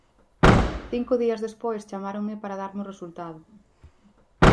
Cinco días despois chamáronme para darme o resultado